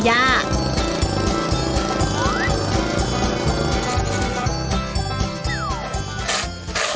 เพื่อให้มีความสูงที่สวยงามของต้นย่า